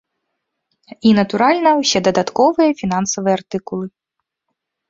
І, натуральна, усе дадатковыя фінансавыя артыкулы.